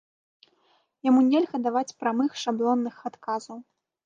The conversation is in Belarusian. Яму нельга даваць прамых шаблонных адказаў.